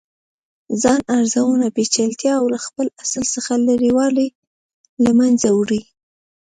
ځان ارزونه پیچلتیا او له خپل اصل څخه لرې والې له منځه وړي.